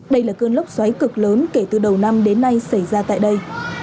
đây là cơn lốc xoáy cực lớn kể từ đầu năm đến nay xảy ra tại đây